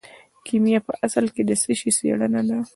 کیمیا په اصل کې د څه شي څیړنه ده.